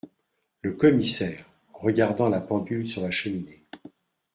Le Commissaire , regardant la pendule sur la cheminée.